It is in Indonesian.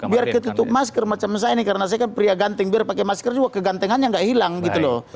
biar ketutup masker macam saya ini karena saya kan pria ganteng biar pakai masker juga kegantengannya nggak hilang gitu loh